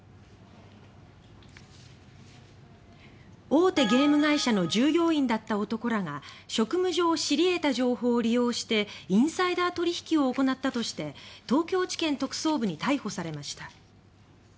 大手ゲーム会社の従業員だった男らが職務上、知り得た情報を利用してインサイダー取引を行ったとして東京地検特捜部に逮捕されました。